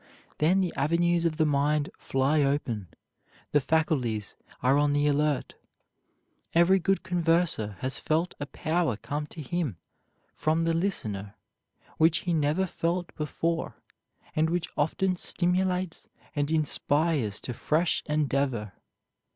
Then the avenues of the mind fly open, the faculties are on the alert. Every good converser has felt a power come to him from the listener which he never felt before, and which often stimulates and inspires to fresh endeavor.